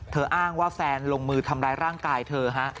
อ้างว่าแฟนลงมือทำร้ายร่างกายเธอฮะ